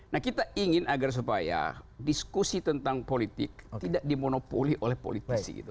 nah kita ingin agar supaya diskusi tentang politik tidak dimonopoli oleh politisi